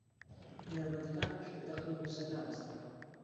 هونەرمەندەکان پشت بە دەقی نووسەر نابەستن